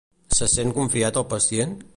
Se sent confiat el pacient?